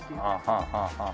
はあはあはあ。